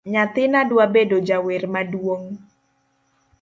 Nyathina dwa bedo jawer maduong